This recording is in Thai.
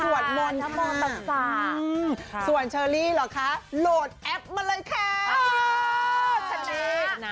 สวดมนตร์ค่ะสวดเชอรี่หรอคะโหลดแอปมาเลยค่ะ